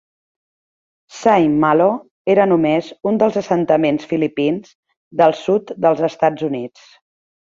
Saint Malo era només un dels assentaments filipins del sud dels Estats Units.